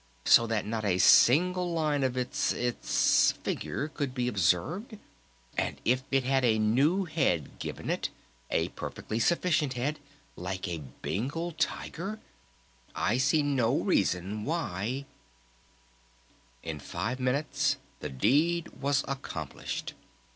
So that not a single line of its its figure could be observed?... And it had a new head given it? A perfectly sufficient head like a Bengal Tiger? I see no reason why " In five minutes the deed was accomplished.